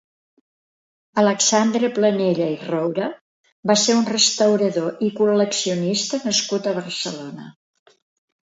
Alexandre Planella i Roura va ser un restaurador i col·leccionista nascut a Barcelona.